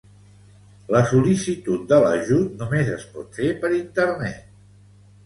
La sol·licitud de l'ajut només es pot fer per internet.